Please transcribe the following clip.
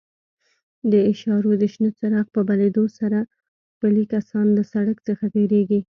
د اشارو د شنه څراغ په بلېدو سره پلي کسان له سړک څخه تېرېږي.